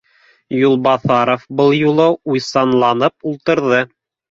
Яубаҫаров был юлы уйсанланып ултырҙы: